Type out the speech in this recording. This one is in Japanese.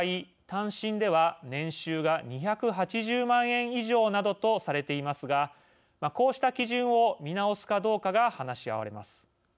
単身では年収が２８０万円以上などとされていますがこうした基準を見直すかどうかが話し合われます。